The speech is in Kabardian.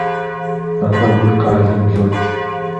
Мафӏэгур къалэм блокӏ.